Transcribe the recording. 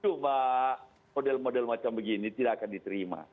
coba model model macam begini tidak akan diterima